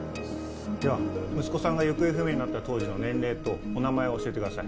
・では息子さんが行方不明になった当時の年齢とお名前を教えてください。